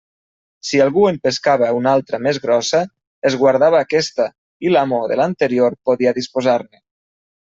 Si algú en pescava una altra més grossa, es guardava aquesta, i l'amo de l'anterior podia disposar-ne.